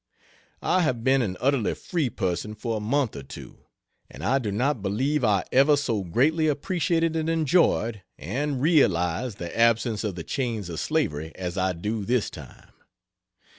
I have been an utterly free person for a month or two; and I do not believe I ever so greatly appreciated and enjoyed and realized the absence of the chains of slavery as I do this time.